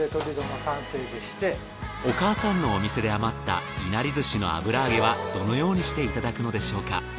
お母さんのお店で余ったいなり寿司の油揚げはどのようにしていただくのでしょうか？